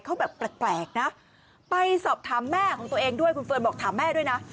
เขาแบบแปลกนะไปสอบถามแม่ของตัวเองด้วยคุณเฟิร์นบอกถามแม่ด้วยนะ